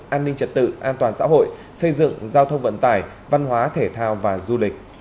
an ninh trật tự an toàn xã hội xây dựng giao thông vận tải văn hóa thể thao và du lịch